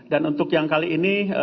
dan untuk yang kali ini